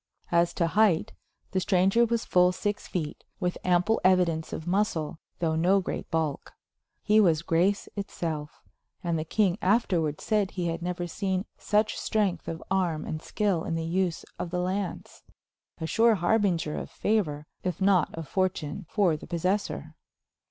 As to height, the stranger was full six feet, with ample evidence of muscle, though no great bulk. He was grace itself, and the king afterwards said he had never seen such strength of arm and skill in the use of the lance a sure harbinger of favor, if not of fortune, for the possessor.